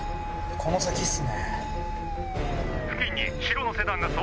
この先っすね。